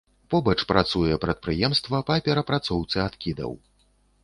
Побач працуе прадпрыемства па перапрацоўцы адкідаў.